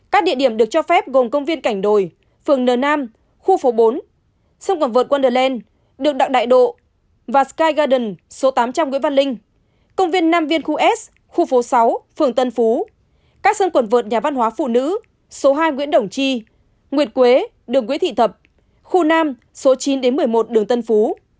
các địa điểm được cho phép gồm công viên cảnh đồi phường n nam khu phố bốn sân quần vợt wonderland đường đặng đại độ và sky garden số tám trăm linh nguyễn văn linh công viên nam viên khu s khu phố sáu phường tân phú các sân quần vợt nhà văn hóa phụ nữ số hai nguyễn đồng chi nguyệt quế đường nguyễn thị thập khu nam số chín một mươi một đường tân phú